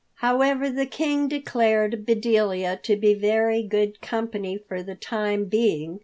However, the King declared Bedelia to be very good company for the time being.